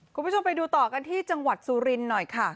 คุณผู้ชมไปดูต่อกันที่จังหวัดสุรินทร์หน่อยค่ะ